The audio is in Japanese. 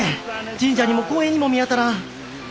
神社にも公園にも見当たらん。